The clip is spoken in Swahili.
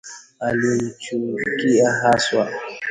Alimchukia haswa